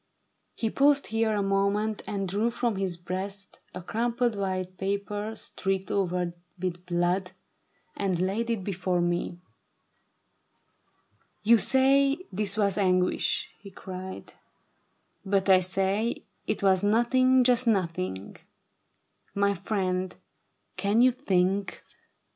He paused here a moment, and drew from his breast A crumpled white paper streaked over with blood, And laid it before me. " You say this was anguish," he cried, " but I say It was nothing — just nothing. My friend, can you think A TRAGEDY OF SEDAN.